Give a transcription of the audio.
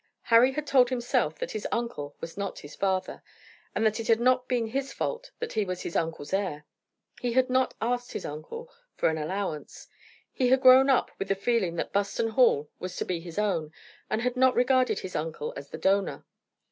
Harry had told himself that his uncle was not his father, and that it had not been his fault that he was his uncle's heir. He had not asked his uncle for an allowance. He had grown up with the feeling that Buston Hall was to be his own, and had not regarded his uncle as the donor.